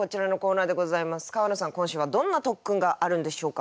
今週はどんな特訓があるんでしょうか？